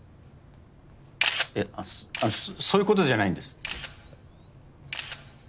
いやあのそういう事じゃないんです。